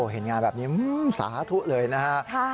เห็นงานแบบนี้สาธุเลยนะฮะ